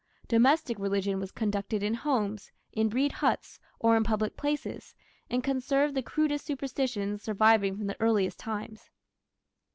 Domestic religion was conducted in homes, in reed huts, or in public places, and conserved the crudest superstitions surviving from the earliest times.